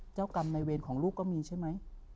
เจ้ากรรมในเวรของลูกก็มีใช่ไหม